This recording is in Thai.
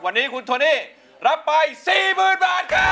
วันนี้คุณโตนนี่รับไป๔หมื่นบาทค่ะ